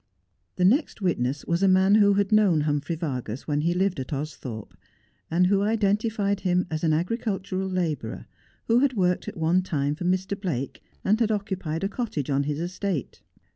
The next witness was a man who had known Humphrey Vargas when he lived at Austhorpe, and who identified him as an agri cultural labourer who had worked at one time for Mr. Blake, and had occupied a cottage on his estate.